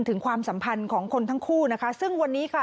ความสัมพันธ์ของคนทั้งคู่นะคะซึ่งวันนี้ค่ะ